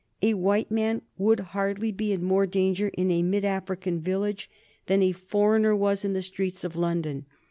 A white man would hardly be in more danger in a mid African village than a foreigner was in the streets of London.